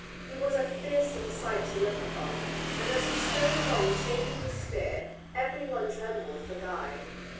He was a fearsome sight to look upon, and as he strode along shaking his spear every one trembled for Guy.